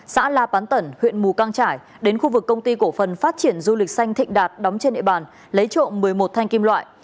xã la pán tẩn huyện mù căng trải đến khu vực công ty cổ phần phát triển du lịch xanh thịnh đạt đóng trên địa bàn lấy trộm một mươi một thanh kim loại